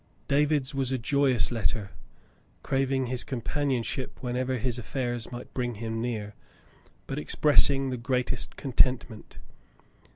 David's was a joyous letter, craving his com panionship whenever his affairs might bring him near, but expressing the greatest contentment.